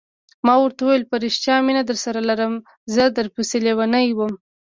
ما ورته وویل: په رښتیا مینه درسره لرم، زه در پسې لیونی وم.